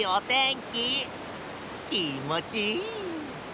きもちいい。